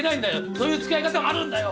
そういうつきあい方もあるんだよ！